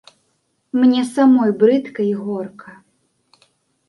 Мне самой брыдка і горка.